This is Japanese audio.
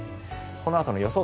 このあとの予想